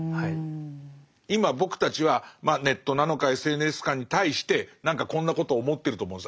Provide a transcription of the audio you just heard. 今僕たちはまあネットなのかＳＮＳかに対して何かこんなことを思ってると思うんです。